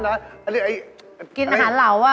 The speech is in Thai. เนี่ยไอ้ไอ้อะไรกินอาหารเหลา